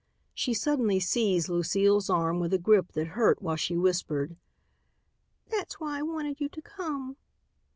She suddenly seized Lucile's arm with a grip that hurt while she whispered, "That's why I wanted you to come.